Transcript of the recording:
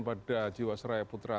pada jiwasraya putra